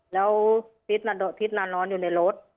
แล้วฟิตนักนอนอยู่ในรถ